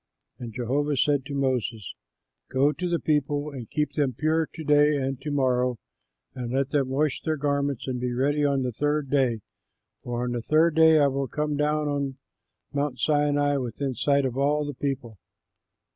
And Jehovah said to Moses, "Go to the people and keep them pure to day and to morrow, and let them wash their garments and be ready on the third day, for on the third day I will come down on Mount Sinai within sight of all the people."